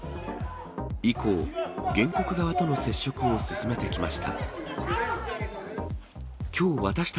以降、原告側との接触を進めてきました。